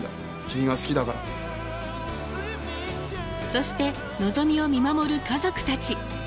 そしてのぞみを見守る家族たち。